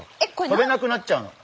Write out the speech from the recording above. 飛べなくなっちゃうの。